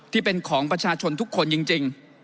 ที่เป็นของประชาชนทุกคนจริง